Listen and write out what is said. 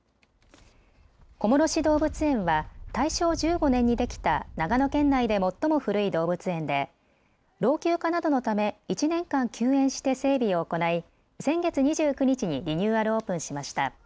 小諸市動物園は大正１５年にできた長野県内で最も古い動物園で老朽化などのため１年間休園して整備を行い先月２９日にリニューアルオープンしました。